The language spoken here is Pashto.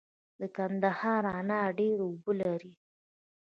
د کندهار انار ډیرې اوبه لري.